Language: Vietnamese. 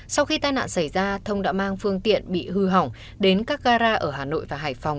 sau khi tai nạn xảy ra thông đã mang phương tiện bị hư hỏng đến các gara ở hà nội và hải phòng